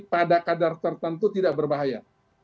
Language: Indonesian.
pada kadar tertentu tidak berbahaya